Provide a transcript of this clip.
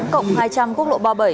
cộng hai trăm linh quốc lộ ba mươi bảy